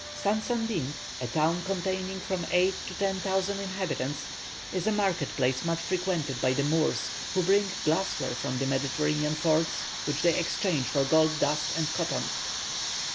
Sansanding, a town containing from eight to ten thousand inhabitants, is a market place much frequented by the Moors, who bring glass ware from the Mediterranean forts, which they exchange for gold dust and cotton.